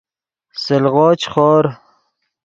سلغو چے خور